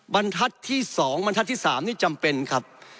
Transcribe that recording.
บรรทัศน์ที่๒บรรทัศน์ที่๓นี่จำเป็นครับ